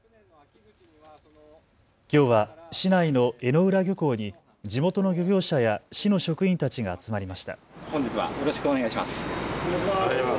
きょうは市内の江之浦漁港に地元の漁業者や市の職員たちが集まりました。